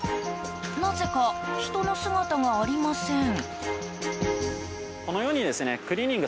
なぜか人の姿がありません。